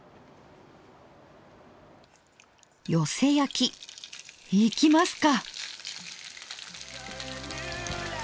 よせ焼きいきますか！